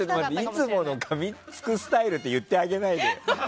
いつものかみつくスタイルって言ってあげないでよ。